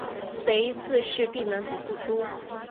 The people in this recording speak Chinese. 贼自是闭门不复出。